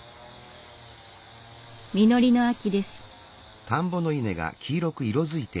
実りの秋です。